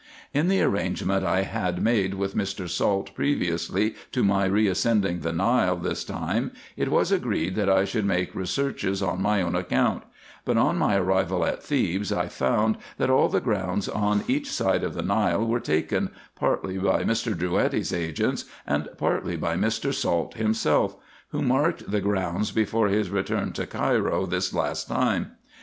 In the arrangement I had made with Mr. Salt previously to my re ascending the Nile this time, it was agreed, that I should make researches on my own account : but on my arrival at Thebes I found, that all the grounds on each side of the Nile were taken, partly by Mr. Drouetti's agents, and partly by Mr. Salt himself, who marked the grounds before his return to Cairo this last time.